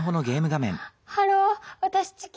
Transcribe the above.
ハローわたし地球。